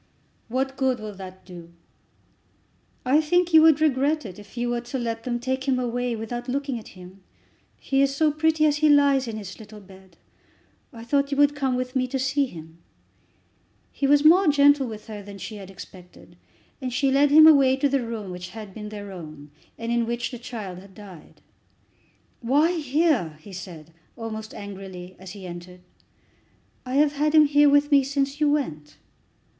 "What good will that do?" "I think you would regret it if you were to let them take him away without looking at him. He is so pretty as he lays in his little bed. I thought you would come with me to see him." He was more gentle with her than she had expected, and she led him away to the room which had been their own, and in which the child had died. "Why here?" he said, almost angrily, as he entered. "I have had him here with me since you went."